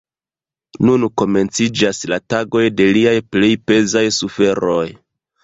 Nun komenciĝas la tagoj de liaj plej pezaj suferoj.